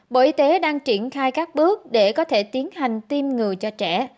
bộ y tế đang triển khai các bước để có thể tiến hành tiêm ngừa cho trẻ